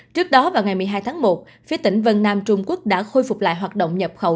trước đó vào ngày một mươi hai tháng một phía tỉnh vân nam trung quốc đã khôi phục lại hoạt động nhập khẩu